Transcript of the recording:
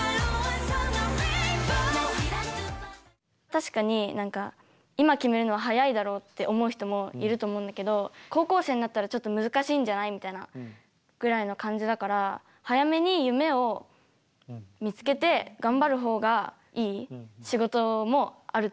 確かに何か今決めるのは早いだろうって思う人もいると思うんだけど高校生になったらちょっと難しいんじゃない？みたいなぐらいの感じだから早めに夢を見つけて頑張る方がいい仕事もあると思うから。